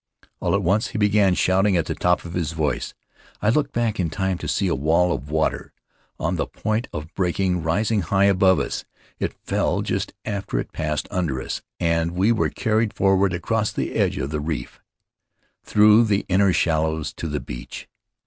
All at once he began shouting at the top of his voice. I looked back in time to see a wall of water, on the point of breaking, rising high above us. It fell just after it passed under us, and we were carried forward across the edge of the reef, through the inner shallows to the beach.